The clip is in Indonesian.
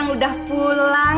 ini gak nedah takut vos